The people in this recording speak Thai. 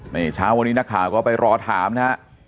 นี่เช้าวันนี้นักข่าวก็ไปรอถามนะฮะ